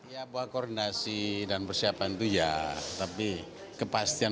nah sih itu kan melebatkan banyak pihak ya kan